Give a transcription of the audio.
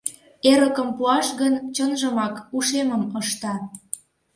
— Эрыкым пуаш гын, чынжымак ушемым ышта.